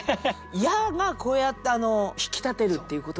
「や」がこうやって引き立てるっていうことですよね？